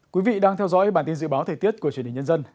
quý vị đang theo dõi bản tin dự báo thời tiết của truyền hình nhân dân